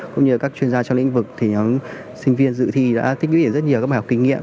cũng như các chuyên gia trong lĩnh vực thì những sinh viên dự thi đã tích cực đến rất nhiều các bài học kinh nghiệm